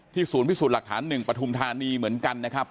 ที่สูญพิสุทธิ์หลักฐานหนึ่งประทุมธานีเหมือนกันนะครับ